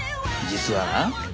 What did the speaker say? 実はな